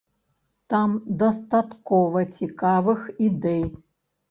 Там дастаткова цікавых ідэй.